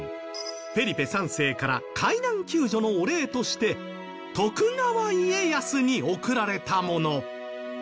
フェリペ３世から海難救助のお礼として徳川家康に贈られたもの。